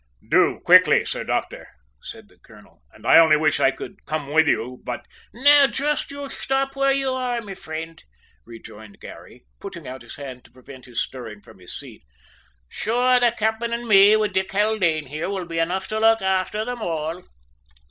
"Do quickly, sir doctor," said the colonel, "and I only wish I could come with you! but " "Now jist you shtop where ye are, me friend," rejoined Garry, putting out his hand to prevent his stirring from his seat. "Sure the cap'en an' me, with Dick Haldane here, will be enough to look afther 'em all."